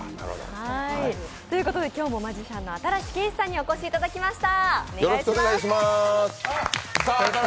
今日もマジシャンの新子景視さんにお越しいただきました。